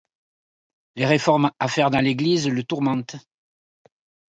Les réformes à faire dans l'Église le tourmentent.